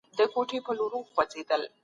ايا د ودې تيوري ګانې واقعي سرمايه ښيي؟